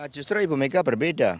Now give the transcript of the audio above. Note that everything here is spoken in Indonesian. justru ibu meka berbeda